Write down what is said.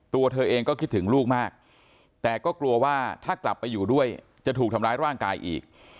ตัวเธอเองก็คิดถึงลูกมากแต่ก็กลัวว่าถ้ากลับไปอยู่ด้วยจะถูกทำร้ายร่างกายอีก